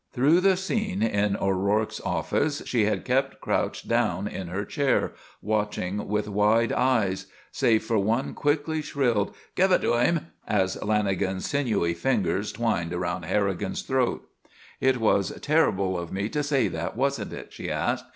Through the scene in O'Rourke's office she had kept crouched down in her chair, watching with wide eyes; save for one quickly shrilled: "Give it to him!" as Lanagan's sinewy fingers twined around Harrigan's throat. "It was terrible of me to say that, wasn't it?" she asked.